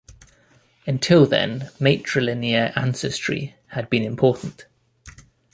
Until then matrilinear ancestry had been important.